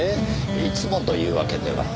いつもというわけでは。